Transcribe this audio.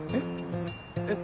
えっ？